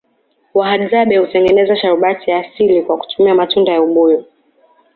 wahadzabe hutengeza sharubati ya asili kwa kutumia matunda ya ubuyu